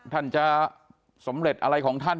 ท่านจะสำเร็จอะไรของท่าน